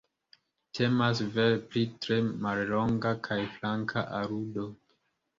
Temas vere pri tre mallonga kaj flanka aludo.